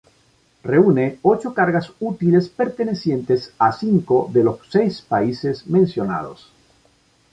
Reúne ocho cargas útiles pertenecientes a cinco de los seis países mencionados.